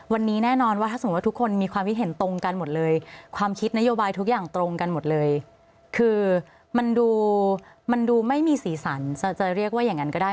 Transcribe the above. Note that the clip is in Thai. วันนี้แน่นอนว่าถ้าสมมุติว่าทุกคนมีความคิดเห็นตรงกันหมดเลยความคิดนโยบายทุกอย่างตรงกันหมดเลยคือมันดูมันดูไม่มีสีสันจะเรียกว่าอย่างนั้นก็ได้